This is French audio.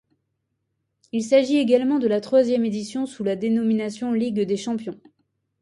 Il s'agit également de la troisième édition sous la dénomination Ligue des champions.